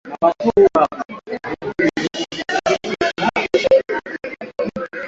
Mwongozo huu utatumiwa kuwapa mafunzo wafugaji wa eneo kutoa taarifa za magonjwa